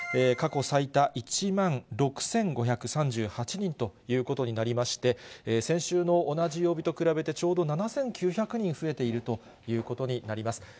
過去最多、１万６５３８人ということになりまして、先週の同じ曜日と比べてちょうど７９００人増えているということになります。